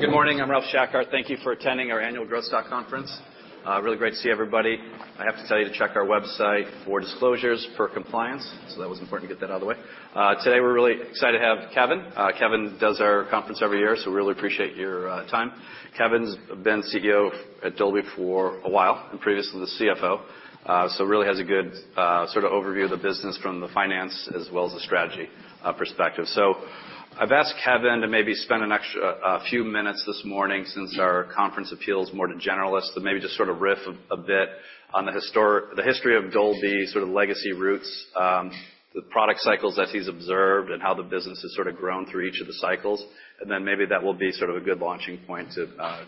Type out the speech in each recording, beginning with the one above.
Good morning, I'm Ralph Schackart. Thank you for attending our annual Growth Stock Conference. Really great to see everybody. I have to tell you to check our website for disclosures per compliance, so that was important to get that out of the way. Today, we're really excited to have Kevin. Kevin does our conference every year, so we really appreciate your time. Kevin's been CEO at Dolby for a while, and previously the CFO, so really has a good sort of overview of the business from the finance as well as the strategy perspective. So I've asked Kevin to maybe spend an extra few minutes this morning, since our conference appeals more to generalists, to maybe just sort of riff a bit on the history of Dolby, sort of legacy roots, the product cycles that he's observed and how the business has sort of grown through each of the cycles. And then maybe that will be sort of a good launching point to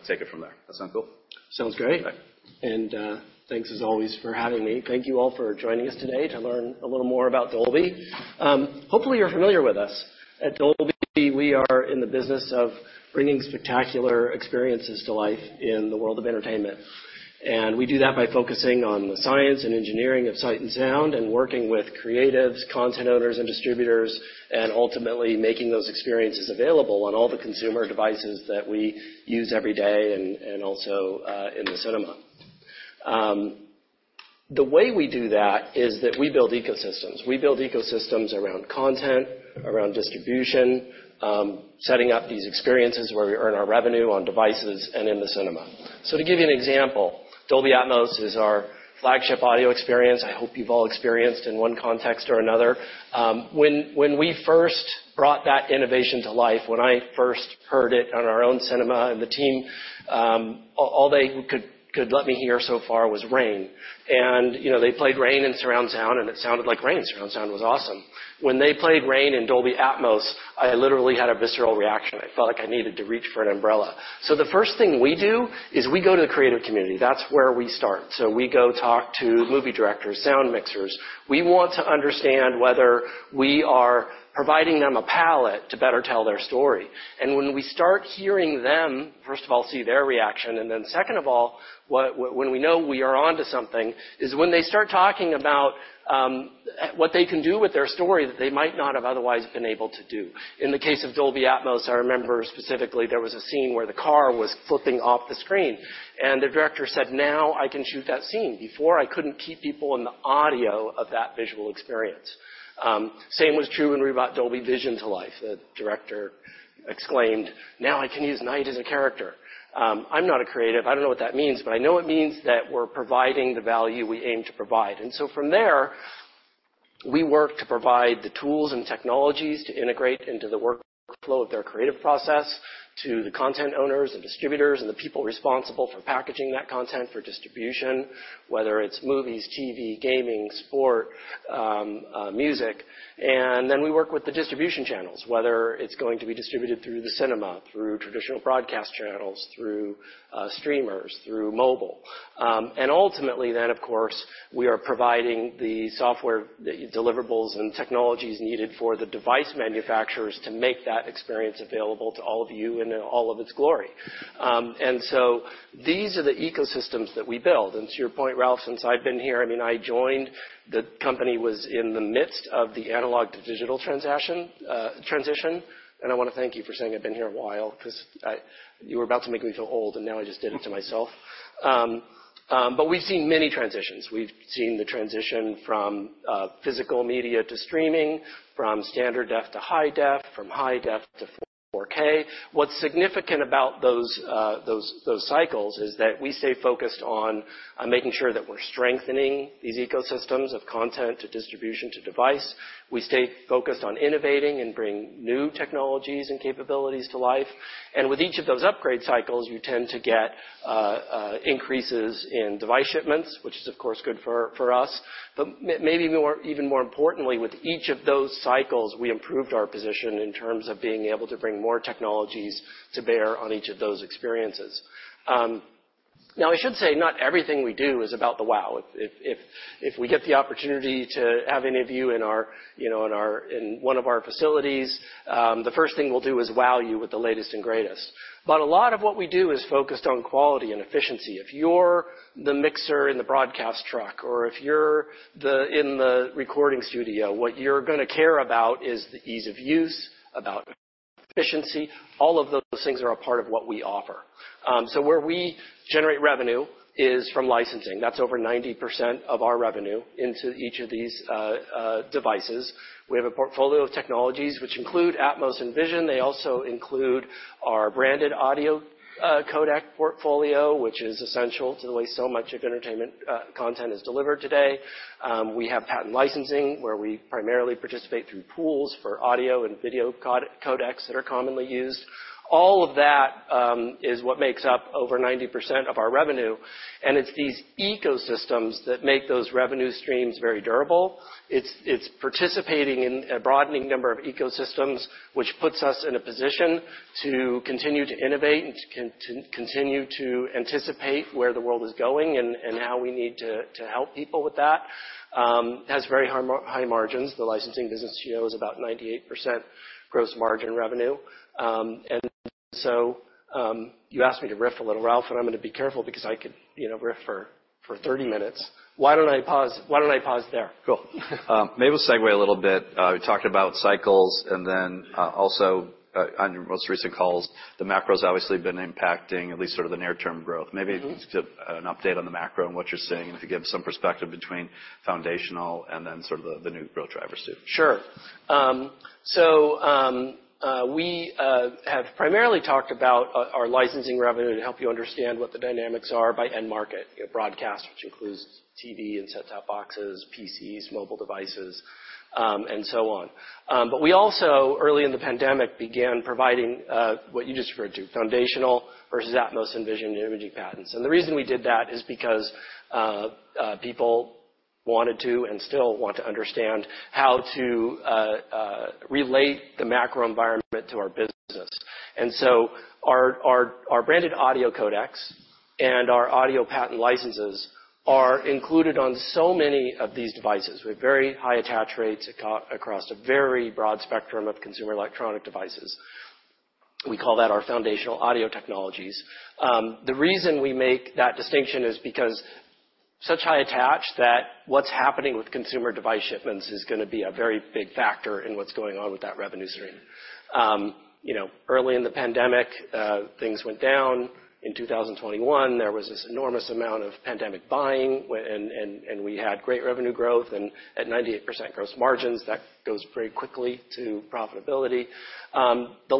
take it from there. That sound cool? Sounds great. Okay. Thanks, as always, for having me. Thank you all for joining us today to learn a little more about Dolby. Hopefully, you're familiar with us. At Dolby, we are in the business of bringing spectacular experiences to life in the world of entertainment. We do that by focusing on the science and engineering of sight and sound, and working with creatives, content owners, and distributors, and ultimately making those experiences available on all the consumer devices that we use every day and also in the cinema. The way we do that is that we build ecosystems. We build ecosystems around content, around distribution, setting up these experiences where we earn our revenue on devices and in the cinema. To give you an example, Dolby Atmos is our flagship audio experience, I hope you've all experienced in one context or another. When we first brought that innovation to life, when I first heard it on our own cinema, and the team all they could let me hear so far was rain. And, you know, they played rain in surround sound, and it sounded like rain. Surround sound was awesome. When they played rain in Dolby Atmos, I literally had a visceral reaction. I felt like I needed to reach for an umbrella. So the first thing we do is we go to the creative community. That's where we start. So we go talk to movie directors, sound mixers. We want to understand whether we are providing them a palette to better tell their story. When we start hearing them, first of all, see their reaction, and then second of all, when we know we are onto something, is when they start talking about what they can do with their story that they might not have otherwise been able to do. In the case of Dolby Atmos, I remember specifically there was a scene where the car was flipping off the screen, and the director said, "Now, I can shoot that scene. Before, I couldn't keep people in the audio of that visual experience." Same was true when we brought Dolby Vision to life. The director exclaimed, "Now, I can use night as a character." I'm not a creative, I don't know what that means, but I know it means that we're providing the value we aim to provide. From there, we work to provide the tools and technologies to integrate into the workflow of their creative process, to the content owners and distributors, and the people responsible for packaging that content for distribution, whether it's movies, TV, gaming, sport, music. And then we work with the distribution channels, whether it's going to be distributed through the cinema, through traditional broadcast channels, through streamers, through mobile. And ultimately, then, of course, we are providing the software, the deliverables and technologies needed for the device manufacturers to make that experience available to all of you in all of its glory. And so these are the ecosystems that we build. And to your point, Ralph, since I've been here, I mean, I joined, the company was in the midst of the analog to digital transition. I want to thank you for saying I've been here a while, because you were about to make me feel old, and now I just did it to myself. But we've seen many transitions. We've seen the transition from physical media to streaming, from standard def to high def, from high def to 4K. What's significant about those cycles is that we stay focused on making sure that we're strengthening these ecosystems of content to distribution to device. We stay focused on innovating and bringing new technologies and capabilities to life. And with each of those upgrade cycles, you tend to get increases in device shipments, which is, of course, good for us. But maybe more, even more importantly, with each of those cycles, we improved our position in terms of being able to bring more technologies to bear on each of those experiences. Now, I should say, not everything we do is about the wow. If we get the opportunity to have any of you in our, you know, in one of our facilities, the first thing we'll do is wow you with the latest and greatest. But a lot of what we do is focused on quality and efficiency. If you're the mixer in the broadcast truck, or if you're in the recording studio, what you're gonna care about is the ease of use, about efficiency. All of those things are a part of what we offer. So where we generate revenue is from licensing. That's over 90% of our revenue into each of these devices. We have a portfolio of technologies, which include Atmos and Vision. They also include our branded audio codec portfolio, which is essential to the way so much of entertainment content is delivered today. We have patent licensing, where we primarily participate through pools for audio and video codecs that are commonly used. All of that is what makes up over 90% of our revenue, and it's these ecosystems that make those revenue streams very durable. It's participating in a broadening number of ecosystems, which puts us in a position to continue to innovate and to continue to anticipate where the world is going and how we need to help people with that. It has very high margins. The licensing business shows about 98% gross margin revenue. You asked me to riff a little, Ralph, and I'm gonna be careful because I could, you know, riff for, for 30 minutes. Why don't I pause, why don't I pause there? Cool. Maybe we'll segue a little bit. We talked about cycles, and then, also, on your most recent calls, the macro's obviously been impacting at least sort of the near-term growth. Mm-hmm. Maybe just an update on the macro and what you're seeing, and if you give some perspective between foundational and then sort of the new growth drivers, too. Sure. So, we have primarily talked about our licensing revenue to help you understand what the dynamics are by end market. You have broadcast, which includes TV and set-top boxes, PCs, mobile devices, and so on. But we also, early in the pandemic, began providing what you just referred to, foundational versus Atmos and Vision and imaging patents. And the reason we did that is because people wanted to, and still want to understand how to relate the macro environment to our business. So our branded audio codecs and our audio patent licenses are included on so many of these devices. We have very high attach rates across a very broad spectrum of consumer electronic devices. We call that our foundational audio technologies. The reason we make that distinction is because such high attach, that what's happening with consumer device shipments is gonna be a very big factor in what's going on with that revenue stream. You know, early in the pandemic, things went down. In 2021, there was this enormous amount of pandemic buying, and we had great revenue growth. And at 98% gross margins, that goes very quickly to profitability. The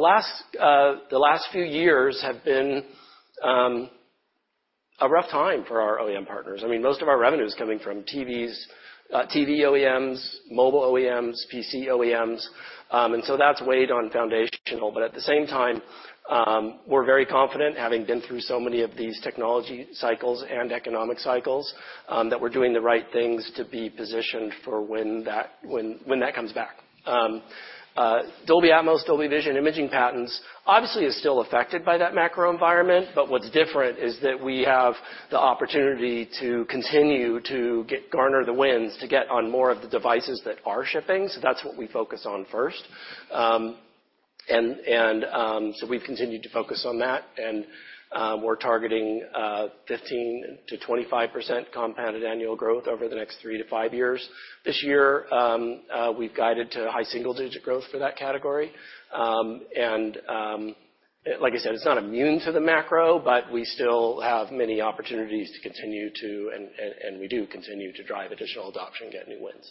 last few years have been a rough time for our OEM partners. I mean, most of our revenue is coming from TVs, TV OEMs, mobile OEMs, PC OEMs, and so that's weighed on Foundational. But at the same time, we're very confident, having been through so many of these technology cycles and economic cycles, that we're doing the right things to be positioned for when that comes back. Dolby Atmos, Dolby Vision imaging patents obviously is still affected by that macro environment, but what's different is that we have the opportunity to continue to garner the wins to get on more of the devices that are shipping, so that's what we focus on first. So we've continued to focus on that, and we're targeting 15%-25% compounded annual growth over the next three-five years. This year, we've guided to high single-digit growth for that category. Like I said, it's not immune to the macro, but we still have many opportunities to continue to, and we do continue to drive additional adoption and get new wins.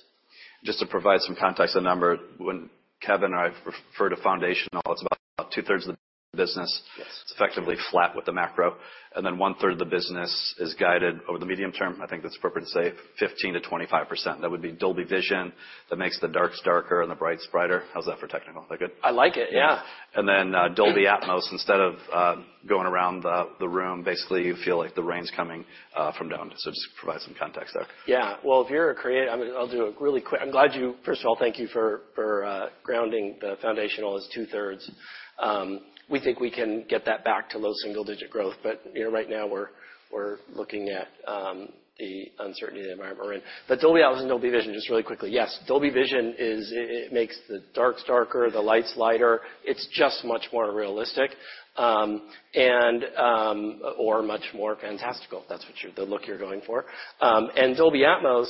Just to provide some context on the number, when Kevin and I refer to Foundational, it's about two-thirds of the business. Yes. It's effectively flat with the macro, and then one-third of the business is guided over the medium term. I think that's appropriate to say 15%-25%. That would be Dolby Vision, that makes the darks darker and the brights brighter. How's that for technical? Is that good? I like it, yeah. Dolby Atmos, instead of going around the room, basically, you feel like the rain's coming from down. So just to provide some context there. Yeah. Well, if you're a creator- I mean, I'll do a really quick. I'm glad you- First of all, thank you for, for, grounding the Foundational as two-thirds. We think we can get that back to low single digit growth, but, you know, right now, we're, we're looking at the uncertainty of the environment we're in. But Dolby Atmos and Dolby Vision, just really quickly. Yes, Dolby Vision is, it makes the darks darker, the lights lighter. It's just much more realistic, and, or much more fantastical, if that's what you're- the look you're going for. And Dolby Atmos,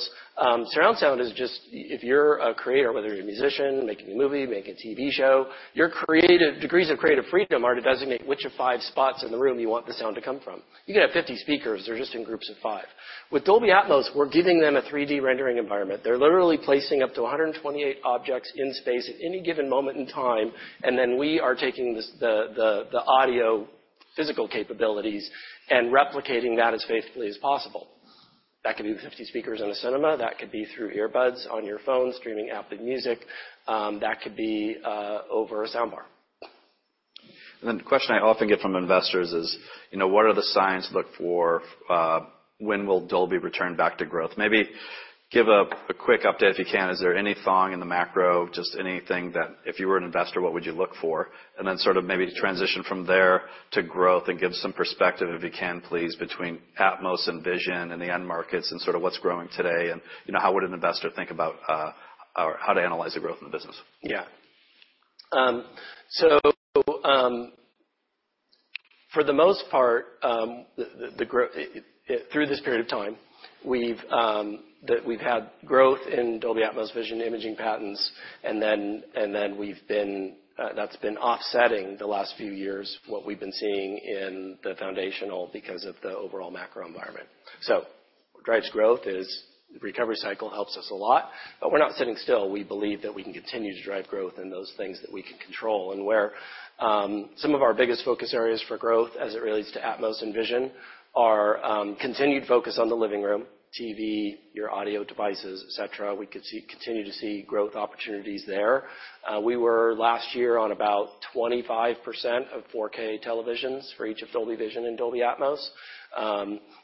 surround sound, is just. If you're a creator, whether you're a musician, making a movie, making a TV show, your creative- degrees of creative freedom are to designate which of five spots in the room you want the sound to come from. You can have 50 speakers, they're just in groups of 5. With Dolby Atmos, we're giving them a 3D rendering environment. They're literally placing up to 128 objects in space at any given moment in time, and then we are taking the audio physical capabilities and replicating that as faithfully as possible. That could be the 50 speakers in a cinema. That could be through earbuds on your phone, streaming out the music. That could be over a soundbar. And then the question I often get from investors is: You know, what are the signs to look for, when will Dolby return back to growth? Maybe give a quick update, if you can. Is there any thing in the macro, just anything that if you were an investor, what would you look for? And then sort of maybe transition from there to growth and give some perspective, if you can, please, between Atmos and Vision and the end markets and sort of what's growing today, and, you know, how would an investor think about, or how to analyze the growth in the business? Yeah. So, for the most part, through this period of time, we've had growth in Dolby Atmos, Vision imaging patents, and then we've been... That's been offsetting the last few years, what we've been seeing in the foundational because of the overall macro environment. So what drives growth is the recovery cycle helps us a lot, but we're not sitting still. We believe that we can continue to drive growth in those things that we can control. And where some of our biggest focus areas for growth, as it relates to Atmos and Vision, are continued focus on the living room, TV, your audio devices, et cetera. We continue to see growth opportunities there. We were, last year, on about 25% of 4K televisions for each of Dolby Vision and Dolby Atmos.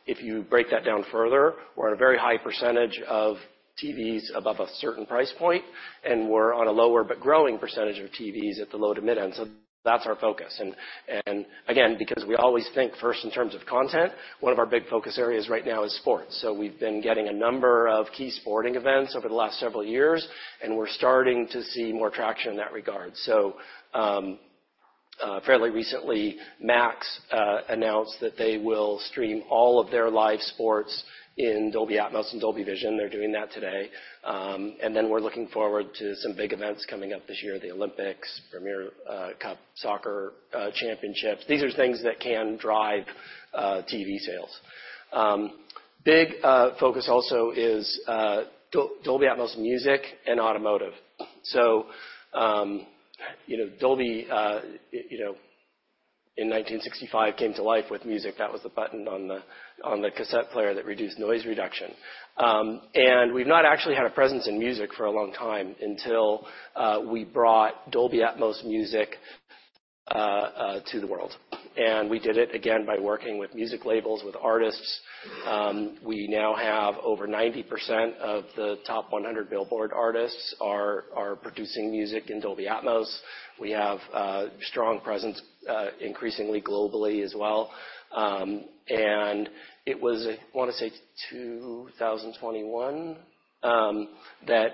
If you break that down further, we're at a very high percentage of TVs above a certain price point, and we're on a lower but growing percentage of TVs at the low to mid-end. So that's our focus. And again, because we always think first in terms of content, one of our big focus areas right now is sports. So we've been getting a number of key sporting events over the last several years, and we're starting to see more traction in that regard. Fairly recently, Max announced that they will stream all of their live sports in Dolby Atmos and Dolby Vision. They're doing that today. And then we're looking forward to some big events coming up this year: the Olympics, Premier Cup Soccer championships. These are things that can drive TV sales. Big focus also is Dolby Atmos Music and automotive. So, you know, Dolby, you know, in 1965, came to life with music. That was the button on the cassette player that reduced noise reduction. And we've not actually had a presence in music for a long time until we brought Dolby Atmos Music to the world, and we did it again by working with music labels, with artists. We now have over 90% of the top 100 Billboard artists producing music in Dolby Atmos. We have strong presence increasingly globally as well. It was, I wanna say 2021, that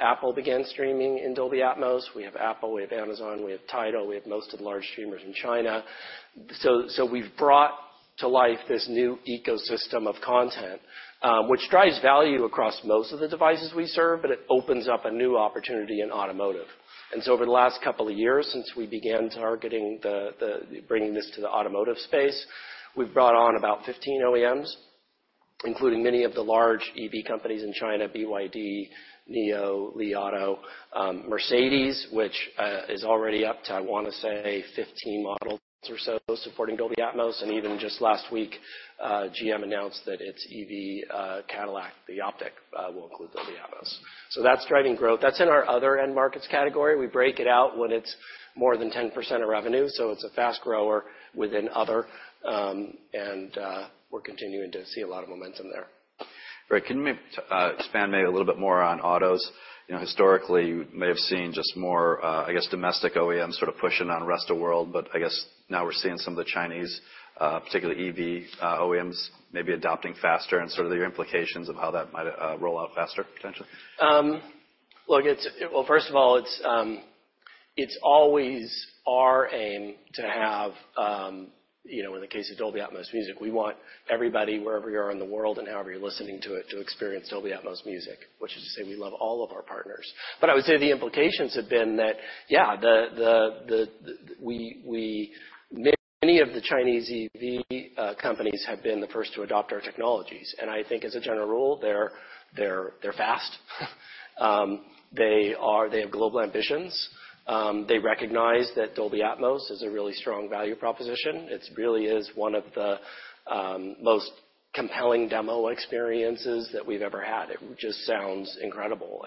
Apple began streaming in Dolby Atmos. We have Apple, we have Amazon, we have Tidal, we have most of the large streamers in China. So we've brought to life this new ecosystem of content, which drives value across most of the devices we serve, but it opens up a new opportunity in automotive. And so over the last couple of years, since we began targeting bringing this to the automotive space, we've brought on about 15 OEMs, including many of the large EV companies in China, BYD, NIO, Li Auto, Mercedes, which is already up to, I wanna say, 15 models or so supporting Dolby Atmos, and even just last week, GM announced that its EV, Cadillac, the Optiq, will include Dolby Atmos. So that's driving growth. That's in our other end markets category. We break it out when it's more than 10% of revenue, so it's a fast grower within other, we're continuing to see a lot of momentum there. Great. Can you expand maybe a little bit more on autos? You know, historically, you may have seen just more, I guess, domestic OEMs sort of pushing on rest of world, but I guess now we're seeing some of the Chinese, particularly EV, OEMs, maybe adopting faster, and sort of the implications of how that might roll out faster, potentially. Look, it's well, first of all, it's always our aim to have, you know, in the case of Dolby Atmos music, we want everybody, wherever you are in the world and however you're listening to it, to experience Dolby Atmos music, which is to say we love all of our partners. But I would say the implications have been that, yeah, we many of the Chinese EV companies have been the first to adopt our technologies, and I think as a general rule, they're fast. They have global ambitions. They recognize that Dolby Atmos is a really strong value proposition. It really is one of the most compelling demo experiences that we've ever had. It just sounds incredible.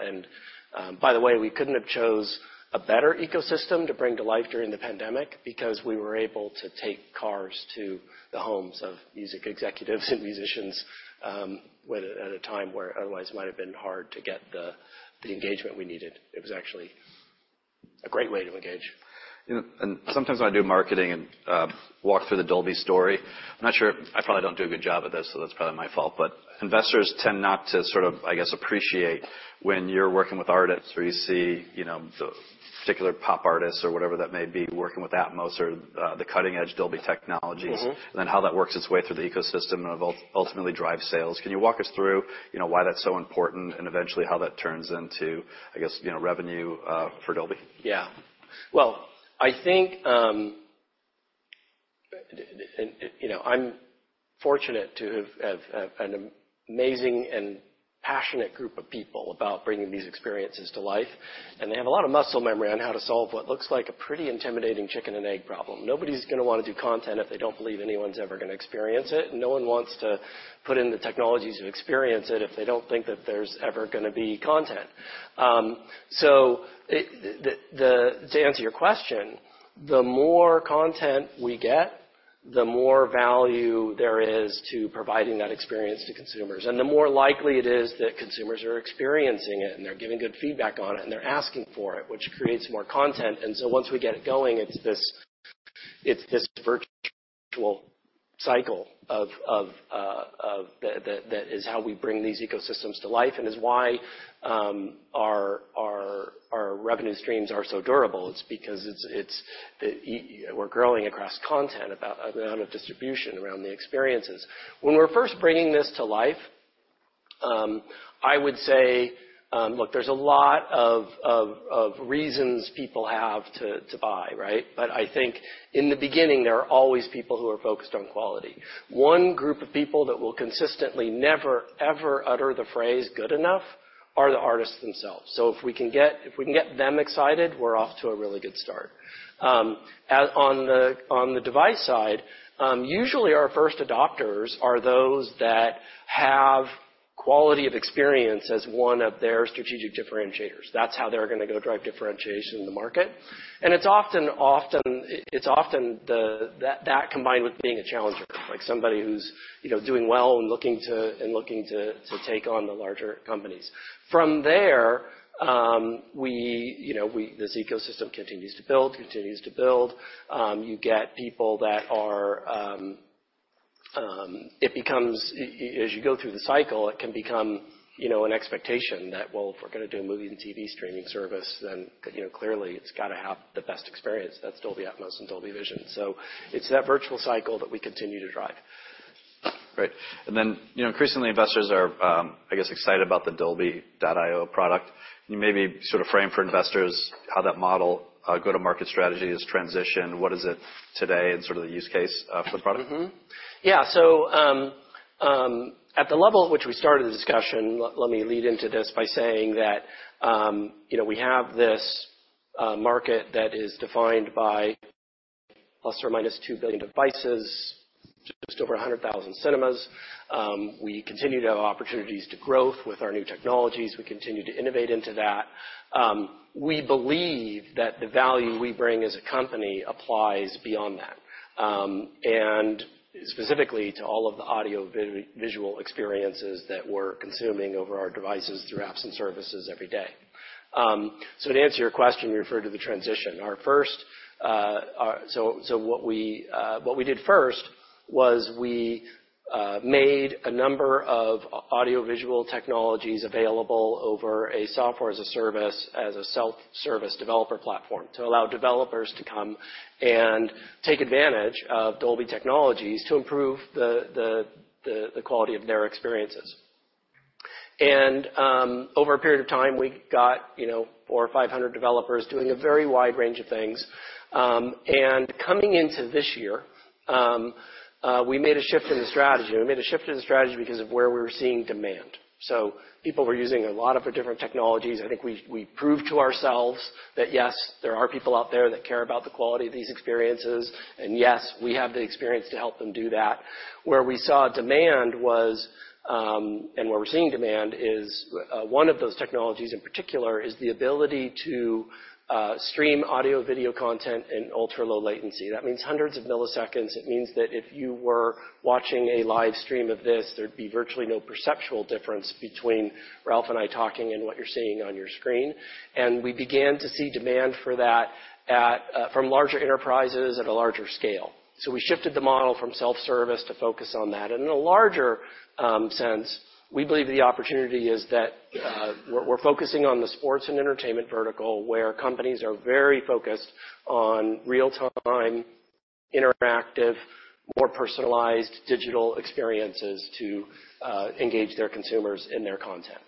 By the way, we couldn't have chosen a better ecosystem to bring to life during the pandemic because we were able to take cars to the homes of music executives and musicians, when at a time where otherwise it might have been hard to get the engagement we needed. It was actually a great way to engage. You know, sometimes when I do marketing and walk through the Dolby story, I'm not sure, I probably don't do a good job at this, so that's probably my fault. But investors tend not to sort of, I guess, appreciate when you're working with artists or you see, you know, the particular pop artists or whatever that may be, working with Atmos or the cutting-edge Dolby technologies- Mm-hmm. and then how that works its way through the ecosystem and eventually, ultimately, drive sales. Can you walk us through, you know, why that's so important and eventually how that turns into, I guess, you know, revenue for Dolby? Yeah. Well, I think, and, you know, I'm fortunate to have an amazing and passionate group of people about bringing these experiences to life, and they have a lot of muscle memory on how to solve what looks like a pretty intimidating chicken and egg problem. Nobody's gonna wanna do content if they don't believe anyone's ever gonna experience it, and no one wants to put in the technologies to experience it if they don't think that there's ever gonna be content. So, to answer your question, the more content we get, the more value there is to providing that experience to consumers, and the more likely it is that consumers are experiencing it, and they're giving good feedback on it, and they're asking for it, which creates more content. Once we get it going, it's this, it's this virtual cycle of the that is how we bring these ecosystems to life and is why our revenue streams are so durable. It's because we're growing across content, about the amount of distribution around the experiences. When we're first bringing this to life, I would say, look, there's a lot of reasons people have to buy, right? But I think in the beginning, there are always people who are focused on quality. One group of people that will consistently, never, ever utter the phrase, "good enough," are the artists themselves. So if we can get them excited, we're off to a really good start. On the device side, usually our first adopters are those that have quality of experience as one of their strategic differentiators. That's how they're gonna go drive differentiation in the market. And it's often that combined with being a challenger, like somebody who's, you know, doing well and looking to take on the larger companies. From there, we, you know, this ecosystem continues to build. It becomes, as you go through the cycle, it can become, you know, an expectation that, well, if we're gonna do a movie and TV streaming service, then, you know, clearly, it's got to have the best experience. That's Dolby Atmos and Dolby Vision. So it's that virtuous cycle that we continue to drive. Great. And then, you know, increasingly investors are, I guess, excited about the Dolby.io product. Can you maybe sort of frame for investors how that model, go-to-market strategy has transitioned? What is it today and sort of the use case for the product? Mm-hmm. Yeah, so at the level at which we started the discussion, let me lead into this by saying that, you know, we have this market that is defined by ±2 billion devices, just over 100,000 cinemas. We continue to have opportunities to growth with our new technologies. We continue to innovate into that. We believe that the value we bring as a company applies beyond that, and specifically to all of the audio-visual experiences that we're consuming over our devices through apps and services every day. So to answer your question, you referred to the transition. So what we did first was we made a number of audiovisual technologies available over a software as a service, as a self-service developer platform, to allow developers to come and take advantage of Dolby technologies to improve the quality of their experiences. Over a period of time, we got, you know, 400 or 500 developers doing a very wide range of things. Coming into this year, we made a shift in the strategy because of where we were seeing demand. So people were using a lot of the different technologies. I think we, we proved to ourselves that, yes, there are people out there that care about the quality of these experiences, and, yes, we have the experience to help them do that. Where we saw demand was, and where we're seeing demand is, one of those technologies in particular, is the ability to, stream audio/video content in ultra-low latency. That means hundreds of milliseconds. It means that if you were watching a live stream of this, there'd be virtually no perceptual difference between Ralph and I talking and what you're seeing on your screen. And we began to see demand for that at, from larger enterprises at a larger scale. So we shifted the model from self-service to focus on that. In a larger sense, we believe the opportunity is that we're focusing on the sports and entertainment vertical, where companies are very focused on real-time, interactive, more personalized digital experiences to engage their consumers in their content.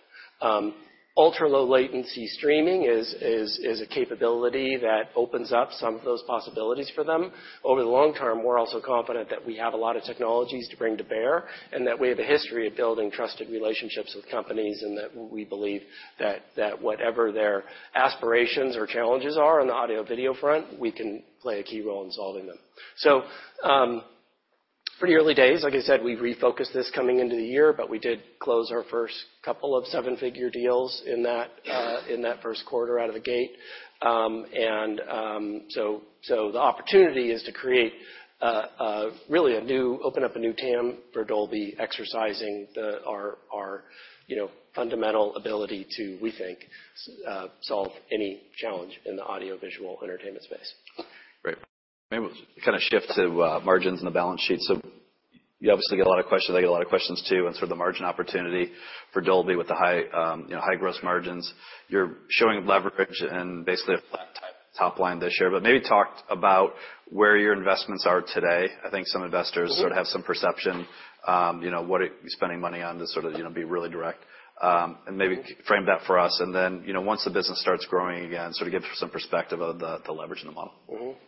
Ultra-low latency streaming is a capability that opens up some of those possibilities for them. Over the long term, we're also confident that we have a lot of technologies to bring to bear, and that we have a history of building trusted relationships with companies, and that we believe that whatever their aspirations or challenges are on the audio-video front, we can play a key role in solving them. So, pretty early days, like I said, we've refocused this coming into the year, but we did close our first couple of seven-figure deals in that first quarter out of the gate. So the opportunity is to open up a new TAM for Dolby, exercising our, you know, fundamental ability to, we think, solve any challenge in the audiovisual entertainment space. Great. Maybe we kind of shift to margins and the balance sheet. So you obviously get a lot of questions, I get a lot of questions, too, on sort of the margin opportunity for Dolby with the high, you know, high gross margins. You're showing leverage and basically a flat top line this year. But maybe talk about where your investments are today. I think some investors- Mm-hmm... sort of have some perception, you know, what are you spending money on to sort of, you know, be really direct, and maybe frame that for us? And then, you know, once the business starts growing again, sort of give some perspective of the leverage in the model. Mm-hmm.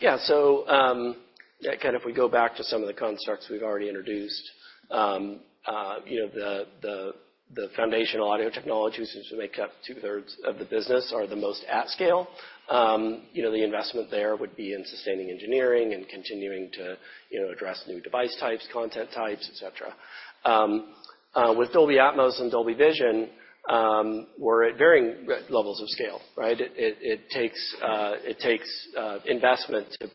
Yeah. So, yeah, kind of if we go back to some of the constructs we've already introduced, you know, the foundational audio technologies, which make up two-thirds of the business, are the most at scale. You know, the investment there would be in sustaining engineering and continuing to, you know, address new device types, content types, et cetera. With Dolby Atmos and Dolby Vision, we're at varying levels of scale, right? It takes investment to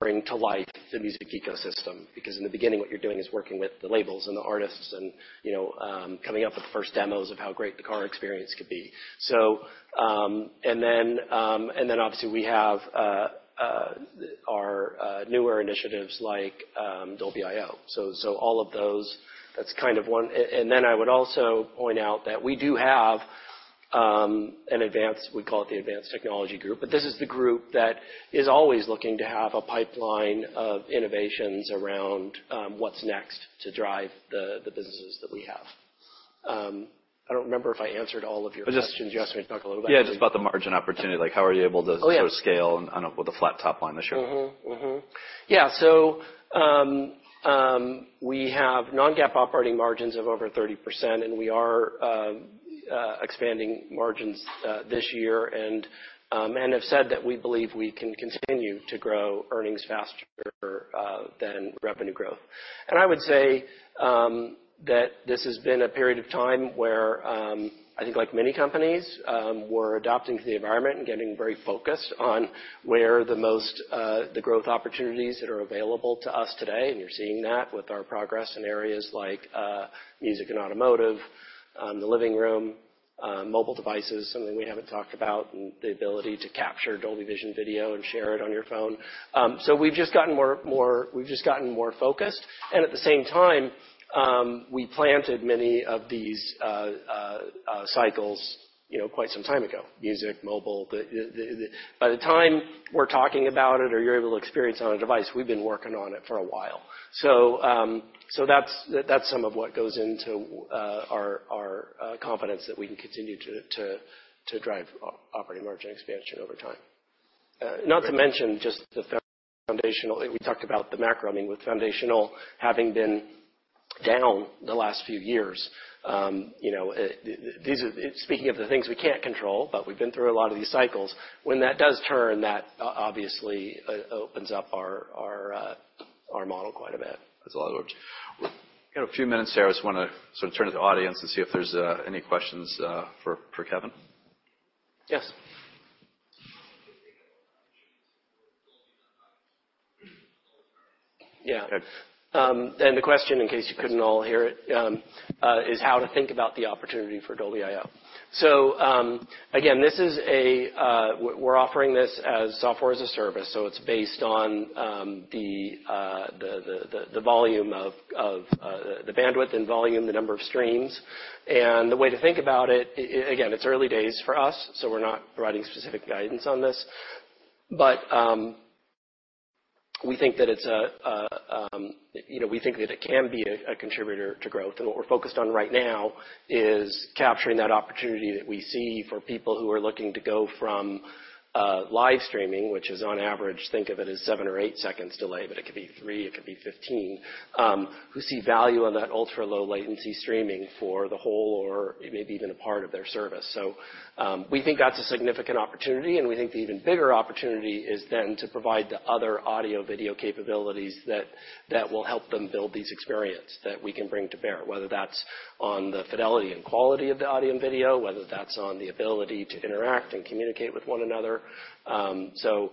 bring to life the music ecosystem, because in the beginning, what you're doing is working with the labels and the artists and, you know, coming up with the first demos of how great the car experience could be. So, and then obviously, we have our newer initiatives like Dolby.io. So, all of those, that's kind of one... and then I would also point out that we do have an Advanced Technology Group, but this is the group that is always looking to have a pipeline of innovations around what's next to drive the businesses that we have. I don't remember if I answered all of your questions. I just- You asked me to talk a little about it. Yeah, just about the margin opportunity, like how are you able to- Oh, yeah... sort of scale and up with a flat top line this year? Yeah. So, we have non-GAAP operating margins of over 30%, and we are expanding margins this year, and have said that we believe we can continue to grow earnings faster than revenue growth. And I would say that this has been a period of time where I think like many companies, we're adapting to the environment and getting very focused on where the most the growth opportunities that are available to us today, and you're seeing that with our progress in areas like music and automotive, the living room, mobile devices, something we haven't talked about, and the ability to capture Dolby Vision video and share it on your phone. So we've just gotten more focused. At the same time, we planted many of these cycles, you know, quite some time ago. Music, mobile... By the time we're talking about it or you're able to experience it on a device, we've been working on it for a while. So, so that's some of what goes into our confidence that we can continue to drive operating margin expansion over time. Not to mention just the Foundational, we talked about the macro, I mean, with Foundational having been down the last few years, you know, these are, speaking of the things we can't control, but we've been through a lot of these cycles. When that does turn, that obviously opens up our model quite a bit. There's a lot of work. We've got a few minutes here. I just wanna sort of turn to the audience and see if there's any questions for Kevin. Yes. Yeah. Okay. And the question, in case you couldn't all hear it, is how to think about the opportunity for Dolby.io. So, again, this is a... We're offering this as software as a service, so it's based on the volume of the bandwidth and volume, the number of streams. And the way to think about it, again, it's early days for us, so we're not providing specific guidance on this. But, we think that it's a, you know, we think that it can be a contributor to growth. And what we're focused on right now is capturing that opportunity that we see for people who are looking to go from live streaming, which is on average, think of it as seven or eight seconds delay, but it could be three, it could be 15, who see value on that ultra-low latency streaming for the whole or maybe even a part of their service. So, we think that's a significant opportunity, and we think the even bigger opportunity is then to provide the other audio-video capabilities that will help them build this experience that we can bring to bear, whether that's on the fidelity and quality of the audio and video, whether that's on the ability to interact and communicate with one another. So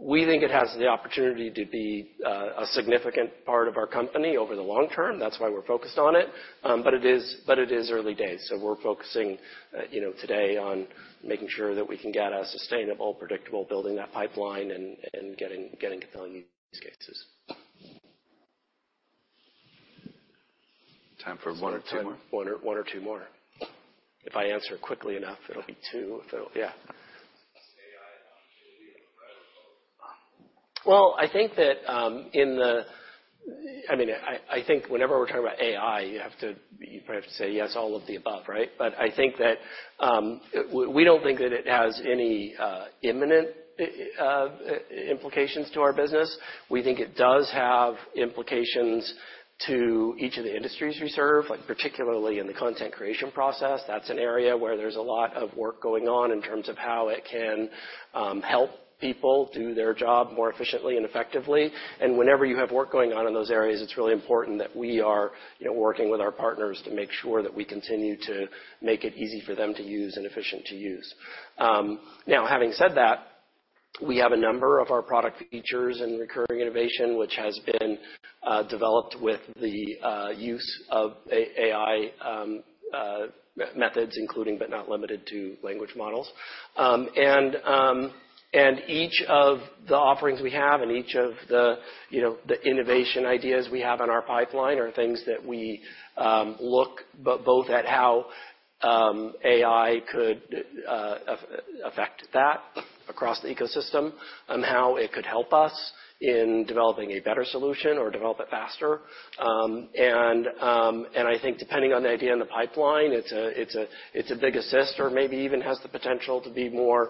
we think it has the opportunity to be a significant part of our company over the long term. That's why we're focused on it. But it is, but it is early days, so we're focusing, you know, today on making sure that we can get a sustainable, predictable, building that pipeline and, and getting, getting compelling use cases. Time for one or two more. one or two more. If I answer quickly enough, it'll be two. Yeah. AI opportunity and preferable? Well, I think that, I mean, I think whenever we're talking about AI, you probably have to say, yes, all of the above, right? But I think that, we don't think that it has any imminent implications to our business. We think it does have implications to each of the industries we serve, like particularly in the content creation process. That's an area where there's a lot of work going on in terms of how it can help people do their job more efficiently and effectively. Whenever you have work going on in those areas, it's really important that we are, you know, working with our partners to make sure that we continue to make it easy for them to use and efficient to use. Now, having said that, we have a number of our product features and recurring innovation, which has been developed with the use of AI methods, including but not limited to language models. And and each of the offerings we have and each of the, you know, the innovation ideas we have in our pipeline are things that we look both at how AI could affect that across the ecosystem and how it could help us in developing a better solution or develop it faster. And I think depending on the idea in the pipeline, it's a big assist or maybe even has the potential to be more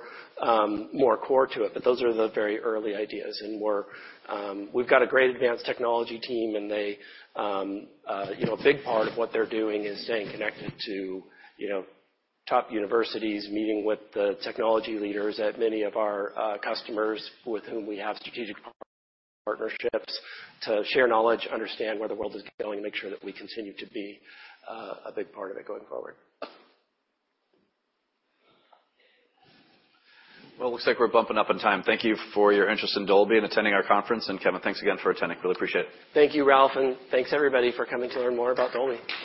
core to it, but those are the very early ideas. And we're... We've got a great advanced technology team, and they, you know, a big part of what they're doing is staying connected to, you know, top universities, meeting with the technology leaders at many of our customers with whom we have strategic partnerships, to share knowledge, understand where the world is going, and make sure that we continue to be a big part of it going forward. Well, it looks like we're bumping up on time. Thank you for your interest in Dolby and attending our conference. Kevin, thanks again for attending. Really appreciate it. Thank you, Ralph, and thanks, everybody, for coming to learn more about Dolby.